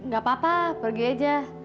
gak apa apa pergi aja